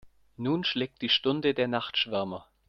Nun schlägt die Stunde der Nachtschwärmer.